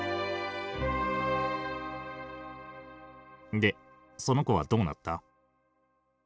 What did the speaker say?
でその子はどうなった？